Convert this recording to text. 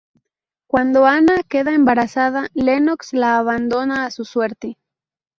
Cuando Anna queda embarazada, Lennox la abandona a su suerte.